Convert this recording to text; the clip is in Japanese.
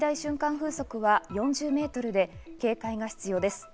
風速は４０メートルで警戒が必要です。